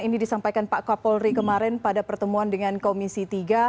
ini disampaikan pak kapolri kemarin pada pertemuan dengan komisi tiga